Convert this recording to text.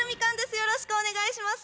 よろしくお願いします。